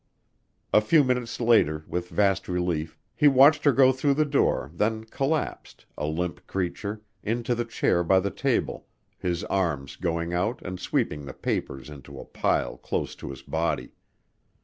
A few minutes later, with vast relief, he watched her go through the door, then collapsed, a limp creature, into the chair by the table, his arms going out and sweeping the papers into a pile close to his body.